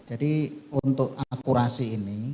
jadi untuk akurasi ini